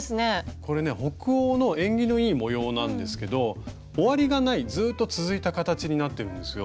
これね北欧の縁起のいい模様なんですけど終わりがないずっと続いた形になってるんですよ。